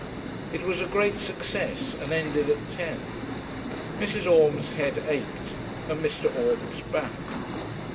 It was a great success, and ended at ten. Mrs. Orme's head ached, and Mr. Orme's back.